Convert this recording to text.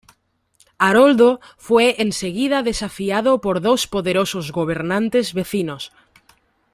Haroldo fue enseguida desafiado por dos poderosos gobernantes vecinos.